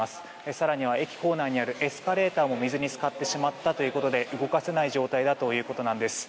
更には駅構内にあるエスカレーターも水に浸かってしまったということで動かせない状態だということです。